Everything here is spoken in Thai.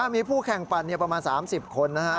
มีผู้แข่งปันประมาณ๓๐คน